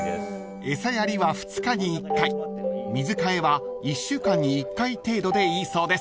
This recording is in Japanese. ［餌やりは２日に１回水替えは１週間に１回程度でいいそうです］